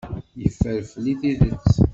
Yeffer fell-i tidet.